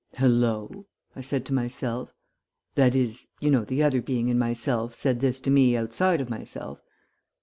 "'Hello,' I said to myself that is you know the other being in myself said this to me outside of myself.